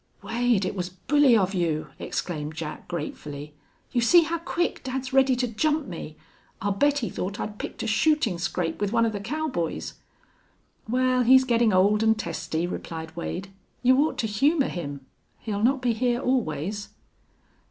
"Wade, it was bully of you!" exclaimed Jack, gratefully. "You see how quick dad's ready to jump me? I'll bet he thought I'd picked a shooting scrape with one of the cowboys." "Well, he's gettin' old an' testy," replied Wade. "You ought to humor him. He'll not be here always."